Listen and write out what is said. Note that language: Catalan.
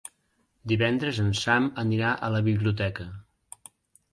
Divendres en Sam anirà a la biblioteca.